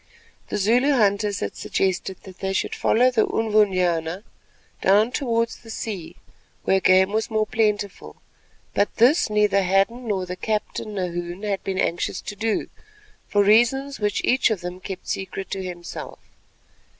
The Zulu hunters had suggested that they should follow the Unvunyana down towards the sea where game was more plentiful, but this neither Hadden, nor the captain, Nahoon, had been anxious to do, for reasons which each of them kept secret to himself.